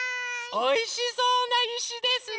おいしそうないしですね。